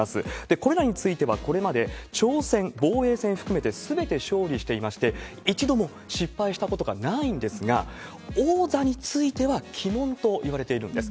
これらについては、これまで挑戦、防衛戦含めてすべて勝利していまして、一度も失敗したことがないんですが、王座については鬼門といわれているんです。